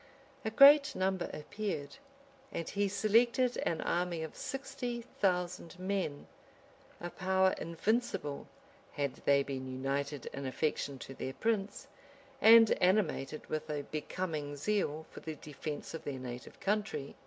A great number appeared; and he selected an army of sixty thousand men; a power invincible, had they been united in affection to their prince, and animated with a becoming zeal for the defence of their native country.